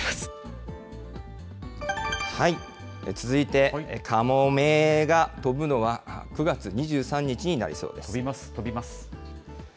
続いてかもめが飛ぶのは９月２３日になりそうです。